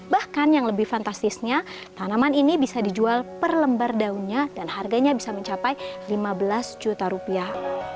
bahkan yang lebih fantastisnya tanaman ini bisa dijual per lembar daunnya dan harganya bisa mencapai lima belas juta rupiah